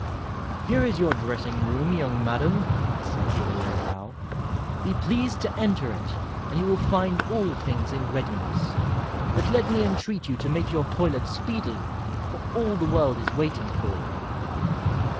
"Here is your dressing room, young madam," he said, with a low bow; "be pleased to enter it, and you will find all things in readiness. But let me entreat you to make your toilet speedily, for all the world is waiting for you."